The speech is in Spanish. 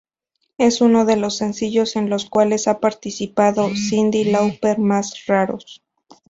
Es uno de los sencillo en los cuales ha participado Cyndi Lauper más raros.